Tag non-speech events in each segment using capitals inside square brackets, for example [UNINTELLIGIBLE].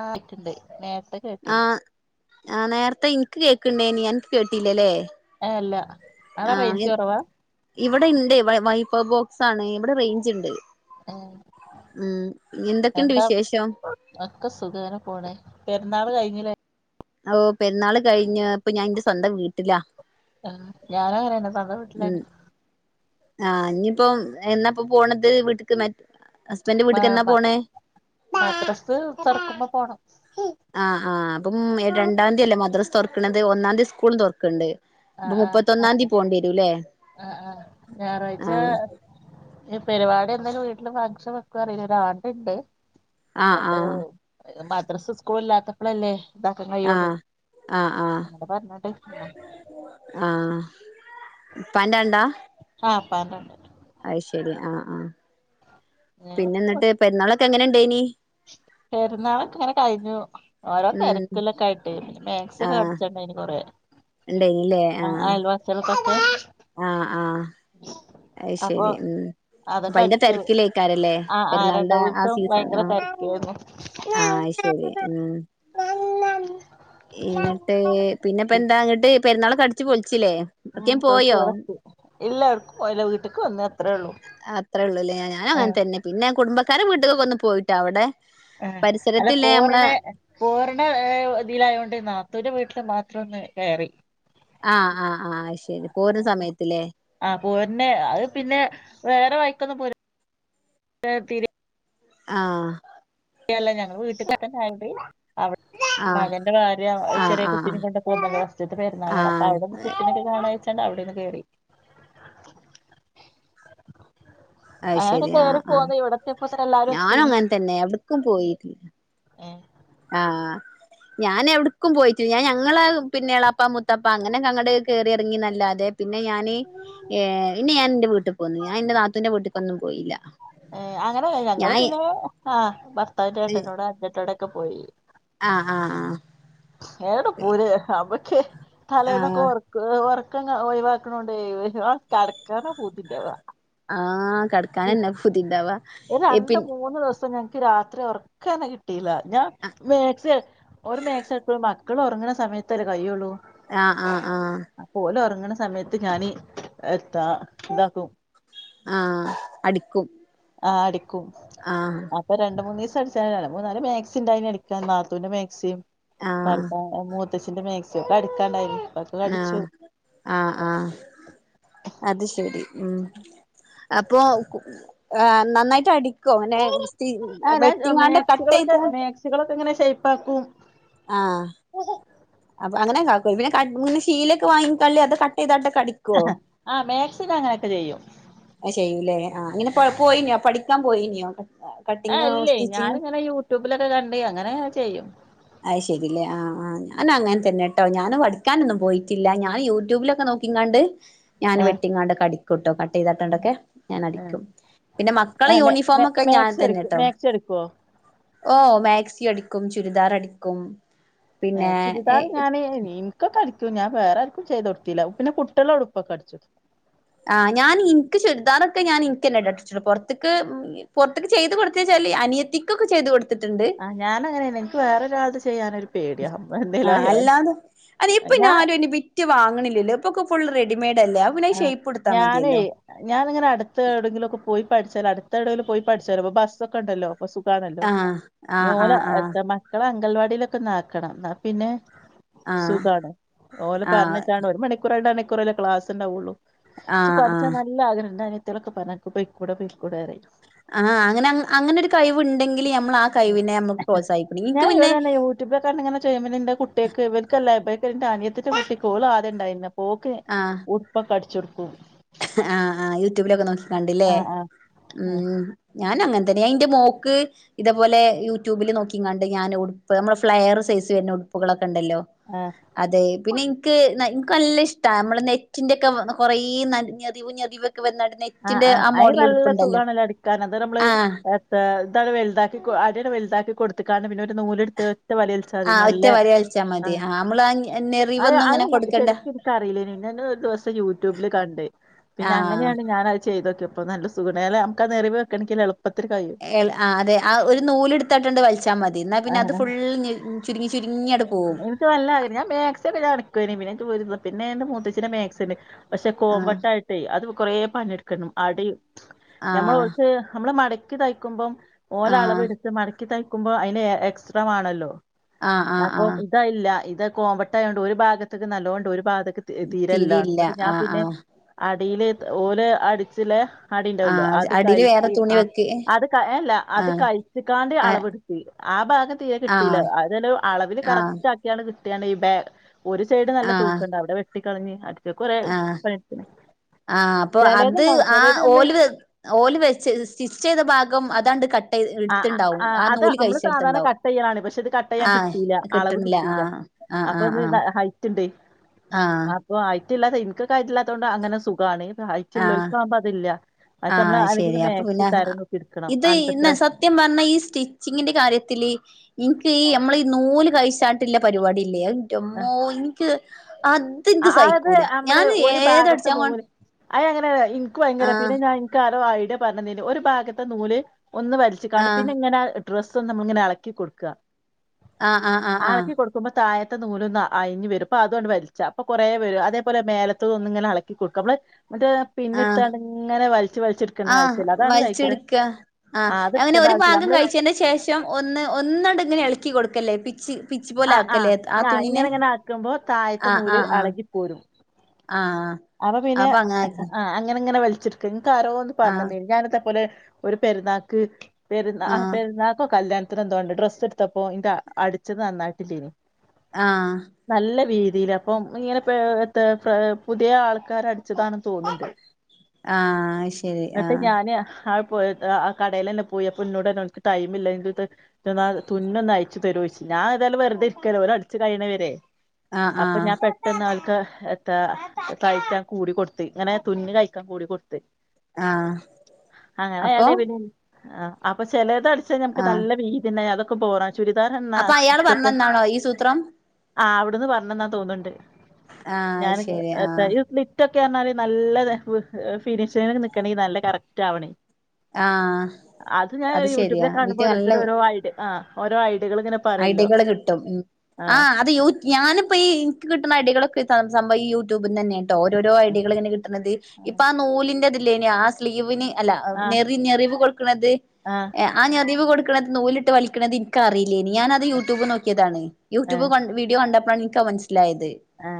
ആ [UNINTELLIGIBLE] ണ്ട് നേരത്തെ കേട്ടീല്ല ആ നേരത്തെ എനിക്ക് കേക്കണ്ടേനി അനക്ക് കേട്ടിലല്ലേ ഏ അല്ല അവിടെ ആ റേഞ്ച് കുറവാ ഇവിടെ ഇണ്ട് വ വൈ ഇപ്പോ ബോക്സ് ആണ് എവിടെ റേയ്ഞ്ച് ഇണ്ട് ഏ ഉം എന്തൊക്കെണ്ട് എന്താ വിശേഷം ഒക്കെ സുഖേങ്ങനെ പോണ് പെര്ന്നാള് കഴിഞ്ഞില്ലേ ഓ പെരുന്നാൾ കഴിഞ്ഞ് അപ്പൊ ഞാൻന്റെ സ്വന്തം വീട്ടിലാ ആ ഞാനുഅങ്ങനന്നെ സ്വന്തം വീട്ടിലാർന്ന് ആ ഇനിയിപ്പോം എന്നപ്പൊ പോണ മ മ പോണേ മദ്രസ് തുറക്കുമ്പോ പോണം ആ ആ അപ്പം രണ്ടാം തീയല്ലേ മദ്രസ് തൊർ ക്കണത് ഒന്നാന്തി സ്കൂൾ തൊർക്കണണ്ട് ആ ആ അപ്പൊ ആ ആ ഞായറാഴ്ച്ച ആഹ് ഇനി പരിപാടി എന്തേലും വീട്ടില് ഫംഗ്ഷൻ വക്കും അറിയില്ല ഒരാണ്ടുണ്ട് ആഹ് അപ്പോ ആഹ് മദ്രസ് സ്കൂൾ ഇല്ലാത്തപ്പോ മാപ്ലല്ലേ ഇതാക്കാൻ കഴിയോള്ളൂ ആഹ് ആഹ് ആഹ് അങ്ങനെ പറഞ്ഞ്ട്ട് പിന്നെ ആഹ് ഇപ്പാന്റെ വാണ്ട ആ ഇ പ്പാൻ്റെ ആണ്ട ശരി ആഹ് ആഹ് പിന്നെ എന്നിട്ട് പെരുന്നാൾ ക്ക് എങ്ങനെ ഇണ്ടേനി പെരുന്നാളൊക്കെ അങ്ങനെ കഴിഞ്ഞു ഓരോ ഉം തിരക്കിലൊക്കെ ആയിട്ട് മാക്സിയൊക്കെ അടിചാണ്ടയിന് കൊറെ ഉണ്ടായിനല്ലേ ആഹ് പോത്തെ ആഹ് ആഹ് അപ്പൊ അയ്ശരി ഉം അപ്പൊ അതൊക്കെ അതിന്റെ അടിച്ചു തിരക്കിലേക്കാരല്ലേ ആ ആ രണ്ടു പെരുന്നാളിന്റെ ആ ദിവസം സീസൺ ഭയങ്കര ആഹ് തിരക്കായിരുന്നു ആഹ് ശരി ഉം എന്നിട്ട് പിന്നെപ്പ എന്താ അങ്ങിട്ട് പെരുന്നാൾ അടിച്ചു പൊളിച്ചില്ലേ ഉം എവിടേക്കേലും പൊളിച്ചു പോയോ വളർത്തി ഇല്ല ഇവിടിക്കും പോ ഇല്ല വീട്ടക്ക് വന്ന് അത്രേ ഉള്ളൂ അത്രേ ഉള്ളൂല്ലേ ഞാൻ ഞാനും ആഹ് അങ്ങന തന്നെ പിന്നെ കു കുടുംബക്കാരെ വീട്ടുകക്കൊന്ന് പോയിട്ടാ അവിടെ ആഹ് അല്ല പരിസരത്തില്ലേ നമ്മളെ കോറിണ പോർ മ്മ വേ ഇതിലായൊണ്ട് നാത്തൂന്റെ വീട്ടില് മാത്രം ഒന്ന് കേയറി ആഹ് ആഹ് ആഹ് ശരി പോര സമയത്ത് ലേ പോരനെ അത് പിന്നെ വേറെ വയിക്കന്ന് പൂരി [UNINTELLIGIBLE] ആഹ് യല്ല ഞങ്ങൾ വീട്ടൊകൊക്കോ [UNINTELLIGIBLE] അവടെ ആഹ് മകന്റെ ഭാര്യ ആഹ് ചെറിയ ആഹ് കുട്ടിനെ കൊണ്ട് പോകുന്ന ഫസ്റ്റ്ത്തെ പെരുന്നാളാണ് അപ്പൊ ആഹ് അവിടുന്ന് കുട്ടിനൊക്കെ കാണാചിട്ട് ട്ടെണ്ട അവിടോന്ന് കേറി അത് അ ശെരി ആഹ് കയറി ആഹ് പോന്ന് ഇവിടതയെപ്പത്തിന് എല്ലാരും എത്തിന് ക്കും പോയിട്ടില്ല ഏ ആഹ് ഞാൻ എവിടക്കും പോയിട്ട ഞാൻ ഞങ്ങള പിന്നെ ഇളാപ്പ മുത്താപ്പ അങ്ങനെക്കെ അങ്ങട് കേറി ഇറങ്ങി നല്ലാതെ പിന്നെ ഞാന് ഏ ഇനി ഞാൻ എന്റെ വീട്ടിൽ പോകുന്നു ഞാൻ ഇന്റെ താത്തൂന്റെൂ വീട്ടിക്കൊന്നും പോയില്ല ഏ അങ്ങനെല്ല ഞങ്ങള് ഞാൻ പിന്നെ ആ ഭർത്താവിന്റെ ഏട്ടൻ്റോട് അഞ്ചൻ്റോടെ ഒക്കെ പോയി ആഹ് ആഹ് എടാ പൂര അപ്പൊ ക്ഷെ തലേന്നൊക്കെ ആഹ് വർക്ക്‌ വർ ക്ക ഒഴിവാക്കാനൊണ്ടെ കിടക്കാന പൂത്തിത്തെവ ആ കിടക്കാൻന്നെ പുുതിണ്ടവാ ഒരു പി രണ്ട് മൂന്ന് ദിവസം ഞങ്ങക്ക് രാത്രി ഉറക്ക തന്നെ കിട്ടിയില്ല ഞാൻ മേ ഒരു മേസ എടു മക്കള ഉറങ്ങണ സമയത്തല്ലേ കയിയുള്ളൂ ആ ആഹ് ആഹ് അങ്ങണ സമയത്ത് ഞാന് എത്താ ഇതാക്കും ആഹ് അടിക്കും. ആ് അടു ആഹ് അപ്പൊ രണ്ട മൂന്ന് ദിവസ മൂന്നാല് മാക്സി ഉണ്ട എനിക്കാ നാത്തൂന്റെ മാക്സിം ആഹ് പത്ത മ [UNINTELLIGIBLE] അച്ഛന്റെ മാക്സിയൊക്കെ ഒക്കെ അടുക്കാണ്ടായിരുന്നു. ആആആ അത് ശരി ഉം അപ്പൊ നന്നായിട്ട് അടി നെ ആ ഞാൻ വെട്ടിങ്ങാണ്ട് കട്ട് ചെയ്ത പക്കും ആ അപ്പൊ അങ്ങനെന്ന ശീലൊക്കെ വാങ്ങിക്കള്ളി അത് കട്ട് ചെയ്ട്ട ആ മാക്സിന അങ്ങനെയൊക്കെ ചെയ്യും. ചെയ്യൂലേ ആഹ്ങ്ങനെ പോയി പഠിക്കാൻ പോയിനിയോ ആ അല്ലേ ഞാനി ഇങ്ങനെ യൂട്യൂബിലൊക്കെ കണ്ട അങ്ങനെ ചെയ്യും. അത് ശരില്ലേ ആഹ ആ് ഞാനൻ അങ്ങനെ തന്നെട്ടോ ഞാന് പഠിക്കാനൊന്നും പോയിട്ടില്ല ഞാൻ യൂട്യൂബിലൊക്കെ നോക്കിങ്ങാണ്ട് ഞാൻ ആ വെട്ടിങ്ങാണ്ട് കടി കൊട്ടക്കട്ട [UNINTELLIGIBLE] ചെയ്തട്ടണ്ടൊക്കെ ഞാൻ ആ അടിക്കും പിന്നെ മക്കളെ യൂണിഫോമ ഒക്കെ ഞാൻ മാക്സി അടിക്കും തന്നെട്ടോ മാക്സി അടിക്കോ ഓ മാക്സി അടിക്കും ചുരിദാർ അടിക്കും ക്കും ഏ ചുരിദാറ് ഞാന നിനിക്കൊ കഠ ഞാൻ വേറെ ആർക്കും ചെയ്ത് കൊടുത്തില്ല പിന്നെ കുട്ടികള ഉടുപ്പൊക്കെ അടിച്ചു ഞാൻ ഇനിക്ക് ചുരിദാറൊക്കെ ഞാൻ എനിക്ക് തന്നെ അടിക്കു പുറത്തുക്ക്, പുറത്തുക്ക് ചെയ്ത് കൊടുത്തേച്ചാലും അനിയത്തിക്കൊക്കെ ചെയ്തുകൊടുക്ക ആ് ഞാനങ്ങനല്ലെ എനിക്ക് വേറൊരാൾടെ ചെയ്യാനൊ ആ അല്ലാത് അതിപ്പിന്നെ ഞാൻ ആരും ന്നെ ബിറ്റ് വാങ്ങണില്ലല്ലോ ഇപ്പൊക്ക ഫുൾ റെഡി ആ ഞാനേ ഞാനിങ്ങനെ അടുത്ത് എവിടെങ്കിലും ഒക്കെ പോയി പഠിച്ചാല അടുത്ത എവെടെലും പോയി പഠിച്ചാലോ ബസ്സ് ഒക്കെ ഇണ്ടല്ലോ പ്പ സുഖാണല്ലോ ആ ആ ആ ഞോലെ ആ എത്ര മക്കളെ അംഗങ്കൽവാടിലൊക്കെനാക്കണം ന്ന പിന്നെ ആ സുഖാണ് ഓല് ആ പറഞ്ഞിട്ടാണ് ഒരു മണിക്കൂർണ്ടാണി ക്കുറല്ലേ ക്ലാസ്സ് ണ്ടാവുള്ളൂ ആ ക്ക് ആ പഠിച്ചാ നല്ല ആഗ്രഹണ്ടാന് ളൊക്കെ പറഞ്ഞാണ് ക്ക് പോയി കൂടെ പോയി കൂടെ പറിം ആ അങ്ങനെ അങ്ങനൊരു കഴിവുണ്ടെങ്കില് ഞ ഞാൻ ഇവടെന്നെ യൂട്യൂബില കറിഞ്ഞിങ്ങനെ ചെയ്യുമ്പ ന്നെ ണ്ട് കുട്ടികക്ക് ബെക്കല്ലേ ബെ ഇതെൻ്റെ അനിയത്തീടെ കുട്ടിക്ക് ഓള് ആദ്യം ഉണ്ടായിര്ന്ന് ഓക്ക് ആ ഉടുപ്പൊകടിച്ചു കൊട് കും ആ ആ യൂട്യൂബിലൊക്കെ നോക്കി കണ്ടില്ലേ ആഹ് ആഹ് ആഹ് ഉം ഞാൻ അങ്ങനെ തന്നെ അയിന്റെ മോക്ക് ഇതേപോലെ യൂട്യൂബില് നോക്കി കണ്ട് ഞാൻ ഉടുപ്പ് നമ്മള് ഫ്ലയർ സൈസ് വരുന്നെ ഉടുപ്പുകളൊക്കെ ണ്ടല്ലോ ആഹ് അതെ പിന്നെനിക്ക് ന നല്ല ഇഷ്ട മ്മള് നെറ്റിന്റെ ഒക്കെ കുറേ ന ഞെറിവ് ഞെറിവ് ആ ആ അയി നല്ല സുഖണല്ലോ അടി ക്കാൻ അതരെ നമ്മള് ആഹ് യാത്ത ഇതാങ്ങ് വലുതാക്കി കൊ ആ അടിങ്ങ് വലുതാക്കി കൊടുത്തക്കാണ് പിന്നെ ഒരു നൂലെടുത്ത് റ്റവലിവലിച്ചാതി ആഹ് നല്ല ഒറ്റ വര വലിച്ചാൽ ആ മതി നമ്മള് അയ ഞെറിവൊന്നും അയ് ഇങ്ങനെ കൊടുക്കണ്ട ശരിക്ക് എനിക്കറിയില്ലെനു ഞങ്ങള് ഒരു ദിവസം യൂട്യൂബില് കണ്ട് പിന്നെ ആഹ് അങ്ങനെണ് അത് ചെയ്തോക്കെപ്പോ നല്ല സുഖണ്ടായ അല്ല നമുക്ക് ആ ഞറിവ് കണിക്കലെളു ഏ ല ആ അതെ ആ ഒരു നൂല് എടുത്തട്ട്ണ്ട് വലിച്ചാ മതി എന്നാ പിന്നെ അത് ആഹ് ഫുള്ള് ഞെ ചുരുങ്ങി ചുരുങ്ങി അട് പോവും ക്കുനിം പിന്ന ക്ക് പോയി പിന്നെ എന്റെ മൂത്തച്ഛിടെ മാക്സി പക്ഷെ ആഹ് കോംമ്പട്ടായിട്ടേ അത് കുറെ പണിയെടുക്കണം അടെം ഞമ്മള് ആഹ് ഓൾക്ക് നമ്മള് മട ക്കി തയ്ക്കുമ്പം ഓലെ അളവ് ആഹ് എടുത്ത് മട ക്കി തയ്ക്കുമ്പോ അതിന് എക് എക്സ്ട്രാ വാണല്ലോ ആഹ് ആഹ് അപ്പൊ ആഹ് ഇതയ്ല്ല ഇത് കോമ്പട്ടായോണ്ട് ഒരു ഭാഗത്തേക്ക് നല്ലോണ്ട് ഒരു ഭാഗ ക്ക് തീരെല്ലാ തിരിയില്ല അ ഞാൻ ആഹ് പിന്നെ ആഹ് ടീല് ഓര് അടിച്ചിലേ [UNINTELLIGIBLE] ല്ലോ ആഹ് അത് അടില് വേറെ കഴിച്ച് തുണി ആ വെക്ക് അത് ക അല്ല അത് ആഹ് കഴിച്ചക്കാണ്ട് ആഹ് അളവെടുത്ത് ആ ഭാഗം തീരെ കിട്ടീല്ല ആഹ് അതെല്ല അളവിൽ ആഹ് കറക്റ്റ് ആക്കിയാണ് കി [UNINTELLIGIBLE] ഒരു സൈഡ് നല്ല ആഹ് തൂക്കണ്ട് അവിടെ വെ ട്ടിക്കളഞ്ഞ് അ പ്പോ കൊറേ പണി ഇപ്പോ അത് ആ ഓല് ഓല് വെച്ച് സ്റ്റിച്ച് ചെയ്ത ഭാഗം അതാണ്ട് കട് ആ ആ അത് നമ്മള് സാധാരണ കട്ട് ചെയ്യലാണ് പക്ഷെ ഇത് കട്ട് ചെയ്യാൻ ആഹ് കിട്ടീല്ല അളവ് കിട്ടണില്ല കിട്ടിയില്ല ആഹ് ആഹ് അപ്പൊ അത് ആഹ് ആഹ് ഹൈറ്റ് ഇണ്ടേ ആഹ് അപ്പൊ ആയി [UNINTELLIGIBLE] ഇന്ക്ക് കയ്ത്തില്ലാത്തോണ്ട് അങ്ങനെ സുഖാണ് ഹൈറ്റ് ആഹ് ഇല്ലോൽക്കാവുമ്പോ അതില്ല [UNINTELLIGIBLE] നമ്മ ആഹ് ശരി അല്ലെങ്കിലും അപ്പൊ മാക്സി പിന്നെ തരം നോക്കിയെടുക്കണം ഇത് നാൽപതി ഇന്ന രണ് സത്യം പറഞ്ഞാ ഈ സ്റ്റിച്ചിങ്ങിന്റെ കാര്യത്തില് ഇനിക്ക് ഈ നമ്മൾ ഈ നൂ നൂല് കഴിച്ചാ ട്ടില്ല പരിപാടീല്ലേ ആഹ് ഇൻ്റമ്മോ ഇനിക്ക് അത്ൻക്ക് ആഹ് അത് സഹിക്കൂല ഞാൻ ഏതടിച്ചാൻ കൊ അത് അങ്ങനെയല്ല ഇൻ ൻക്ക് ഭയങ്കര ആഹ് പിന്നെ ഞാൻ ഇൻക്ക് ആരോ ആയി [UNINTELLIGIBLE] പറഞ്ഞതിന് ഒരു ഭാഗത്തെ നൂല് ഒന്ന് വലിച്ച്ങ്ങാണ്ട് ആഹ് പിന്നെ ഇങ്ങനെ ഡ്രസ്സും നമ്മളിങ്ങനെ എളക്കി കൊടുക്കാ ആ ആ ആ ആ ത്തെ നൂലൊന്ന് അയഞ്ഞ് വരും അതുഅണ്ട് വല ച്ച് അപ്പൊ കൊറേ വെരും അതേപോലെത്തൊന്നിങ്ങനെ എളക്കി കൊടുക്ക നമ്മള് മറ്റേ ആ പിന്നെടുത്താണ്ട് ഇങ്ങനെ വലിച്ച് വലിച്ച് ഇട്ക്കണ്ട ആ ആവശ്യല്ല. അതാണ് ഭയങ്കര വലിച്ചെടുക്കാ ആ ആഹ് അത് അങ്ങനെ ഇട്ക്കണ്ട ഒരു ആവശ്യല്ല. ഭാഗം നമ്മള് കഴിച്ചതിന്റെ ശേഷം ഒന്ന് ഒന്ന്ണ്ട്ങ്ങനെ എളക്കി കൊടുക്കല്ലേ പി ച്ച് ആ ആ ഞാ ഇങ്ങനെങ്ങനെ ആക്കുമ്പോ തായത്തെ ആഹ് നൂല് ആഹ് അളകി പോരും ആഹ് ആഹ് അപൊ പിന്നെ അപ്പൊ അങ്ങനെ ആക്കി ആ അങ്ങനെ ഇങ്ങനെ വൽ ച്ച്ട്ക്കന് ക്കാരോന്ന് ആഹ് പറഞ്ഞന്നേര്ന്നു ഞാനിതെ പോലെ ഒരു പെരുന്നാക്ക് പെരുന്ന അ ആഹ് പെരുന്നാക്കോ കല്യാൺ തെന്തോണ്ട് ഡ്രസ്ട്ത്തപ്പോ ഇത് അടിച്ചത് നന്നായ് [UNINTELLIGIBLE] ആഹ് നല്ല വീൽ തീലപ്പം ഇങ്ങനെ പിഴ വേര്ത്ത ആ പുതിയെ ആൾക്കാരടിച്ചതാണ് തോന്ന്ണ്ട് ആ ശരി ആ പോയിട്ട് അ ആ കടേലെല്ലെ പോയപ്പൊ ന്നോടർണു ഓൽക്ക് ടൈമില്ല ഇത് ത്തെ ത് ന്ന തുന്നൊന്നയ്ച്ച് തരോയ്ച്ചു ഞാ തായാലു വെർതെ ഇര്ക്കല്ലെ ഓലടിച്ച് കയ്ണ വരെ ആഹ് അപ്പൊ ആഹ് ഞാ പെട്ടെന്ന് ആൾ പ്പ എത്താ കയ്ച്ചാൻ കൂടിക്കൊട്ത്ത് ങ്ങനെ തുന്ന് കയ്ക്കാൻ കൂടിക്കൊട്ത്ത് ആ അപ്പോ? അയാളെ പിന്നെ ആ അപ്പൊ ചെലർ ത്ത അടിച്ചീനൊക്കെ നല്ല വീതിണ്ടയതൊ ക്ക് ബോറ ചുരിദാറ ന്നാസ് അഹ് നന്നാണോ ഈ സൂത്രം ആ അവിട്ന്ന് പറഞ്ഞന്നാ തോന്ന്ണ്ട് ആഹ് അത് ഞാനിന്ന് ശരി എ ആഹ് തായു സ്ലിറ്റു ട്ട് അർണാല് നല്ല യഹ് വ്‌ഹ് എർ ഫിനിഷിനൊക്കെ നിക്കണെയ് നല്ല കറക്റ്റാവണെയ് ആഹ് അത് ശരിയാ യൂട്യൂബിലൊക്കെ വീട്ടി കാണുമ്പോ നല്ല ഓരോരുത്തര് ഓരോ ഐഡി ആ ഓരോ ഐ ട്ട്ലു ങ്ങനെ പറയല്ലോ ട്ടും ഉം ആ അത് യുറ്റ് ഞാനിപ്പൊ ഈ ഇൻക്ക് കിട്ണ എടികൂടെ - [UNINTELLIGIBLE] യൂറ്റൂ തിന്നന്നെട്ടോ ഓരോരോ ഐഡ്യകളിങ്ങനെ കിട്ട്ണത് ഇപ്പാ നൂലിന്റെ ത് ല്ലേനോ ആ സ്ലീവിന് അല്ല അ ആ ആ ഞെറി ഞെറിവ് കൊട്ക്ക്ണത് എ ആ ഞറിവ് കൊട് ക്ക്ണത് നൂല്ട്ട് വലിക്ക്ണതിൻകറി ല്ലെയ്നി ഞാനത് യൂട്യൂബ് നോക്കിയതാണെയ് ആ യൂട്യൂബ് കൺ വീഡിയോ കണ്ട [UNINTELLIGIBLE] ലായത് ആ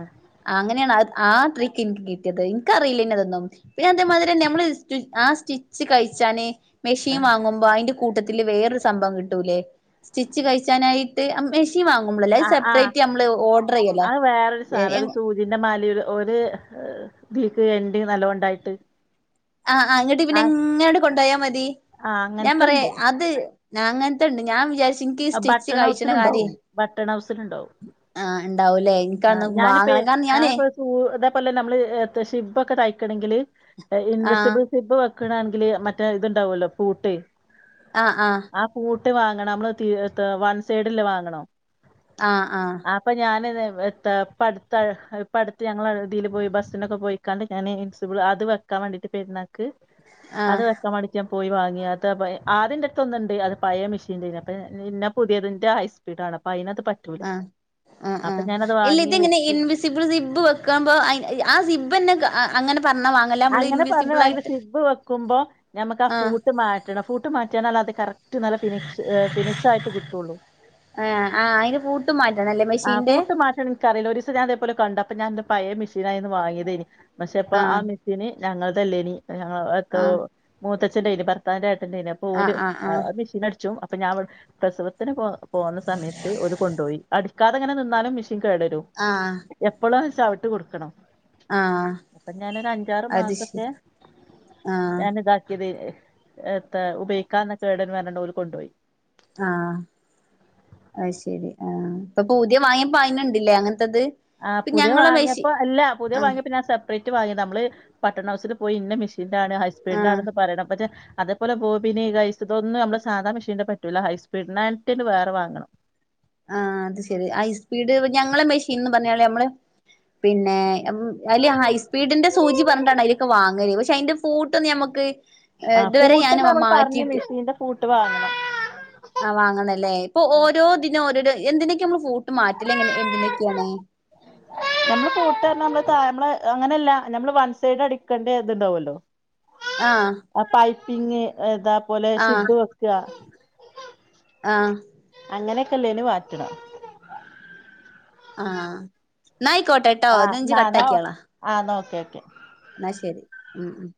ആങ്ങനേണ് അ ആ ട്രിക്ക് എനിക്ക് കിട്ടിയത് എനിക്കറിയില്ലേനും അതൊന്നും പിന്നെ അതേമാതിരി നമ്മള് സ് ആ സ്റ്റിച്ച് കഴിച്ചാന് മെഷീൻ വാങ്ങുമ്പോ അതിന്റെ കൂട്ടത്തില്‌ വേറൊരു സംഭവം കിട്ടൂലേ? സ്റ്റിച്ച് കഴിച്ചാനായിട്ട് അമ്മേ വാങ്ങുമ്പോളല്ലേ ആ ആ സെപ്പറേറ്റ് നമ്മള് ഓർഡർ ചെയ്യലാ എ ഒര് [UNINTELLIGIBLE] എ നല്ലോണ്ടായിട്ട് ആഹ് ആ അങ്ങോട്ട് പിന്നെ എങ്ങനെണ്ട് കൊണ്ടു പോയാ മതി ആ ഞാൻ പറയാ അങ്ങനത്തെണ്ട് അത് ഞാൻ അങ്ങനെത്തെ ഇണ്ട് ഞാൻ വിചാ ഇൻകേസ് സ്റ്റിച്ച് ബട്ടൺ കഴിച്ചണ കാര്യ ഹൗസിലുണ്ടാവും ബട്ടൺ ഹൗസിലുണ്ടാവും ആഹ ഇണ്ടാവൂല്ലേ ആ എനിക്കൊന്ന് വാങ്ങണം കാരണം ഞാനേ ഇല്ല നമ്മള് ശിബ് ഒക്കെ തയ്ക്കണമെങ്കില് ആ ഇൻവിസിബിൾ സിബ് വെ പക്കണാണെങ്കില് മറ്റേ ഇതുണ്ടാവുമല്ലോ പൂട്ട്? ആഹ് ആഹ് ആ പൂട്ട് വാങ്ങണം നമ്മള് തീ വൺ സൈഡല്ലേ വാങ്ങണോ ആ അപ്പൊ ഞാനത് എത്ത പടുത്ത പടുത്തത്ത് ഞങ്ങൾ ഇുതിയിൽ പോയി ബസ്സിനൊക്കെ പോയിക്കാണ്ട് ഞാൻ ഇൻസിബിൾ അത് വെക്കാൻ വേണ്ടിയിട്ട് പെരുന്നാൾക്ക് ആ അത് വെക്കാൻ മടിക്കാ പോയി വാങ്ങിയാ അതാ ആദ്യം എന്റെ അടുത്ത് ഒന്നുണ്ട് അത് പഴയ മെഷീൻന്റെ പിന്നെ പുതിയതിന്റെ ഹൈസ്പീഡ് ആണ് അപ്പോ അയിനാത്തു ആ ആ ആ ഇല്ല വാങ്ങി ഇത ഇങ്ങനെ വെച്ച് എൻവിസിബിൾ സിബ് വെക്കുമ്പോ ആ സിബ്ബ്ന്നെ ആ അങ്ങനെ പറഞ്ഞാ വാങ്ങല്ല നമ്മള് അങ്ങനെ പറഞ്ഞു ഇൻവിസിബിൾ ഇ ആയിട്ട് സിബ് വെക്കുമ്പോ നമുക്ക് ആ ആഹ് ഫൂട്ട് മാറ്റണം ഫൂട്ട് മാറ്റണാൽ അതൊ കറ ഏറ്റ നല്ല ഫിഷ്് ഫിനിഷ് ആയിട്ട് കിട്ടുള്ളൂ ആഹ് ആഹ് അയിന്റെ പൂട്ട് മാറ്റണല്ലേ ആ മെഷീന്റെ കൂട്ട് മാറ്റം എനിക്കറിയില്ല ഒരു ദിവസം ഞാൻ അതേപോലെ കണ്ടു അപ്പൊ ഞാൻ പഴയ മെഷീനായന്ന് വാങ്ങിയതേനി പക്ഷെപ്പ ആ ആഹ് മെഷീ ഞങ്ങൾ തല്ലേനി ആഹ് [UNINTELLIGIBLE] മൂത്ത ഭർത്താവിന്റെ ഓല് ആഹ് ആഹ് ആഹ് മി അപ്പൊ ഞാൻ പ്രസവത്തിന് പോ പോകുന്ന സമയത്ത് ഒരു കൊണ്ടുപോയി അടിക്കാതെങ്ങനെ നിന്നാലും കേടരും ആഹ് എപ്പളും ചവിട്ട് കൊടുക്കണം ആഹ് അത് ശരി മാസത്തെ ആഹ് ഞാന് ഇതാക്കി ഉപയോഗിക്കാന്നൊക്കെ കേടന് പറഞ്ഞു അവര് കൊണ്ടുപോയി ആഅ ശരി ആഇപ്പൊ പുതിയ വാങ്ങിപ്പോ അയിന് ഉണ്ട് അല്ലെ ആ പുതിയ വാങ്ങിയപ്പോ അല്ല പുതിയ ആഹ് വാങ്ങിപ്പ ഞാൻ ഡേറ്റ് വാങ്ങി നമ്മള് പട്ടണ ഹൗസിൽ പോയി പിന്നാണ് ഹസ്ബൻഡ് ആഹ് ആണന്ന് പറയണം പക്ഷെ അതേപോലെ ബോബിനീഴസ് ഇതൊന്നും നമ്മള് സാധാ മെഷീൻന്റെ പറ്റൂല്ല ഹൈസ്പീഡിനായിട്ടിന് വേറെ വാങ്ങണം ആ അത് ശെരി ഹൈസ്പീഡ് ഞങ്ങളെ മെഷീൻ പറഞ്ഞ നമ്മള് പിന്നെ അതില് ഹൈസ്പീഡിന്റെ സൂചി പറഞ്ഞിട്ടാണ് അതിലൊക്കെ വാങ്ങല് പക്ഷെ അതിന്റെ പൂട്ടൊന്ന് ഞമ്മുക്ക് ആ കൂട്ട് നമ്മൾ പറഞ്ഞു മെഷീന്റെ വിട്ട് വാങ്ങണം ആ വാങ്ങണല്ലേ ഇപ്പൊ ഓരോന്നിനും ഓരോന്ന് എന്തിനൊക്കെ നമ്മള് ഫൂട്ട് മാറ്റില്ലങ്ങനെ എന്തിനൊക്കെയാണ് നമ്മള് കൂട്ട നമ്മള് അങ്ങനെയല്ല നമ്മള് വൺ സൈഡ് അടിക്കേണ്ട ഇതുണ്ടാവല്ലോ ആഹ് പിന്നെ എന്താ അതുപോലെ സിബ് വെക്കാൻ ആ അങ്ങനെയൊക്കെല്ലേന് മാറ്റണം ആഹ് നയിക്കോട്ടെ ട്ടോ ആഹ് ഇജ്ജ് ന്നാ ന്നാ കട്ടാക്കിയാളാ ആഹ് ന്നാ ഓക്കെ ഓക്കെ എന്നാ ശരി ഹും